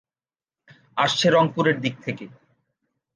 আসছে রংপুরের দিক থেকে।